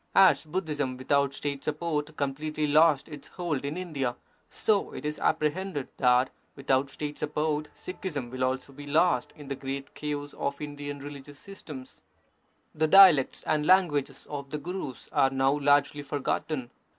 As Budhism without State support completely lost its hold in India, so it is apprehended that without State sup port Sikhism will also be lost in the great chaos of Indian religious systems. The dialects and languages of the Gurus are now largely forgotten.